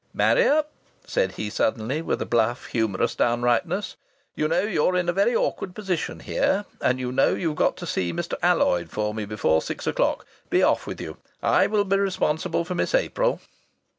"Marrier!" said he, suddenly, with a bluff, humorous downrightness, "you know you're in a very awkward position here, and you know you've got to see Alloyd for me before six o'clock. Be off with you. I will be responsible for Miss April."